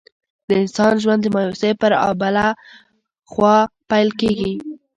د انسان ژوند د مایوسۍ پر آبله خوا پیل کېږي.